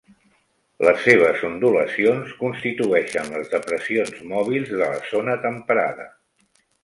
Les seves ondulacions constitueixen les depressions mòbils de la zona temperada.